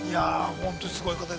本当にすごい方で。